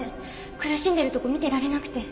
苦しんでるとこ見てられなくて。